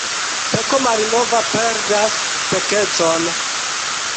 Peko malnova perdas pekecon.